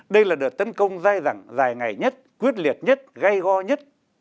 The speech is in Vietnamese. đây là đợt tấn công dài dẳng dài ngày nhất quyết liệt nhất gay go nhất